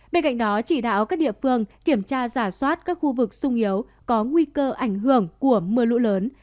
bên cạnh đó chỉ đạo các địa phương kiểm tra giả soát các khu vực sung yếu có nguy cơ ảnh hưởng của mưa lũ lớn